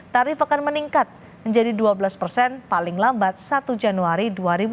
tarif akan meningkat menjadi dua belas persen paling lambat satu januari dua ribu dua puluh